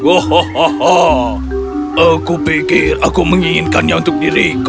hohoho aku pikir aku menginginkannya untuk diriku